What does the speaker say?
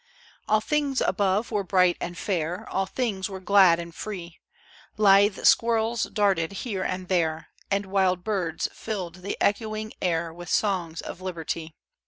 All things above were bright and fair, All things were glad and free; Lithe squirrels darted here and there, And wild birds filled the echoing air With songs of Liberty!